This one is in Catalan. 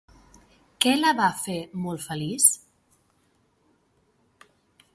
Què la va fer molt feliç?